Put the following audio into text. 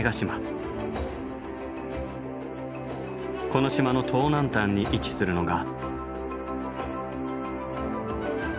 この島の東南端に位置するのが。